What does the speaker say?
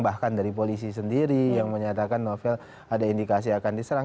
bahkan dari polisi sendiri yang menyatakan novel ada indikasi akan diserang